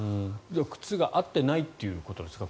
靴が合ってないということですか？